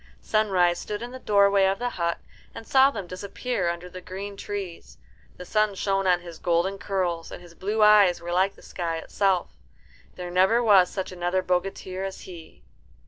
Sunrise stood in the doorway of the hut, and saw them disappear under the green trees. The sun shone on his golden curls, and his blue eyes were like the sky itself. There, never was such another bogatir as he.